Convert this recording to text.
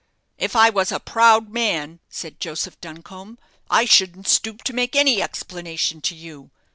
"If I was a proud man," said Joseph Duncombe, "I shouldn't stoop to make any explanation to you.